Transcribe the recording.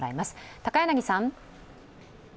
高柳さん！